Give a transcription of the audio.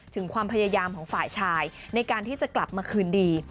ถึงความพยายามของฝ่ายชายในการที่จะกลับมาคืนดี